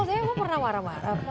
saya memang pernah marah marah